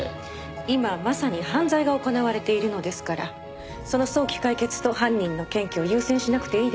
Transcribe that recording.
今まさに犯罪が行われているのですからその早期解決と犯人の検挙を優先しなくていいですか？